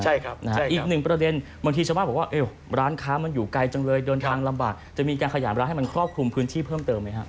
ใช่ครับนะฮะอีกหนึ่งประเด็นบางทีชาวบ้านบอกว่าร้านค้ามันอยู่ไกลจังเลยเดินทางลำบากจะมีการขยายร้านให้มันครอบคลุมพื้นที่เพิ่มเติมไหมฮะ